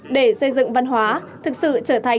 để xây dựng văn hóa thực sự trở thành nền tảng